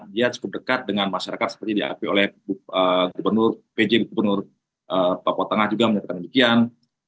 dia cukup dekat dengan masyarakat seperti diakui oleh pj gubernur papua tengah juga menyatakan demikian